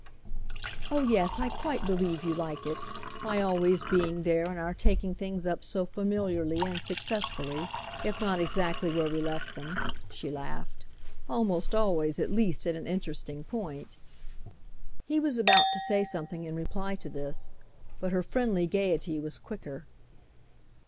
"Oh yes, I quite believe you like it—my always being there and our taking things up so familiarly and successfully: if not exactly where we left them," she laughed, "almost always at least at an interesting point!" He was about to say something in reply to this, but her friendly gaiety was quicker.